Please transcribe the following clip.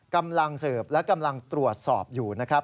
กำลังสืบและกำลังตรวจสอบอยู่นะครับ